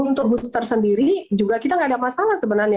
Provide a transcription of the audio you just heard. untuk booster sendiri juga kita nggak ada masalah sebenarnya